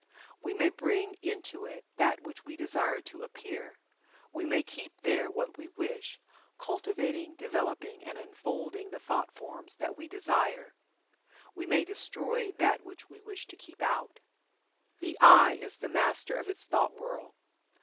We may bring into it that which we desire to appear; we may keep there what we wish, cultivating, developing and unfolding the thought forms that we desire; we may destroy that which we wish to keep out. The "I" is the master of its thought world.